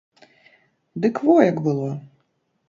Дык во як было.